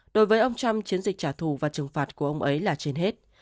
đối với ông trump chiến dịch trả thù và trừng phạt của ông ấy là trên hết